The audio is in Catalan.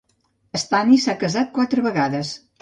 Stanis s'ha casat quatre vegades.